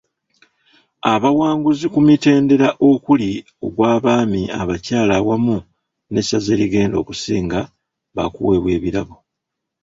Abawanguzi ku mitendera okuli; ogw'abaami, abakyala awamu n’essaza erigenda okusinga baakuweebwa ebirabo .